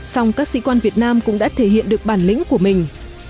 nhưng cũng có thể thể hiện được bản lĩnh của mình